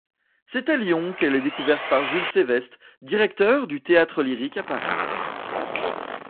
C'est à Lyon qu'elle est découverte par Jules Seveste, directeur du Théâtre-Lyrique à Paris.